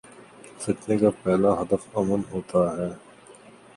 فتنے کا پہلا ہدف امن ہو تا ہے۔